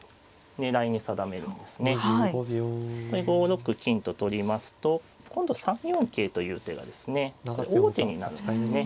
５六金と取りますと今度３四桂という手がですね王手になるんですね。